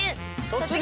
「突撃！